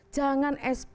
jangan expose mereka